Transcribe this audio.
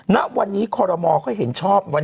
แต่วันนี้ครอลโลยีค่ะมีการประชุมขอดรมอบ